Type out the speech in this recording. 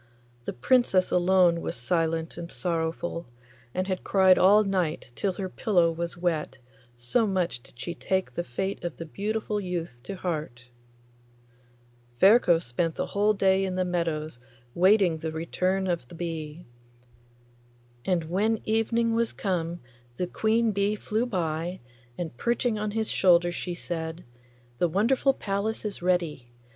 The Princess alone was silent and sorrowful, and had cried all night till her pillow was wet, so much did she take the fate of the beautiful youth to heart. Ferko spent the whole day in the meadows waiting the return of the bee. And when evening was come the queen bee flew by, and perching on his shoulder she said, 'The wonderful palace is ready.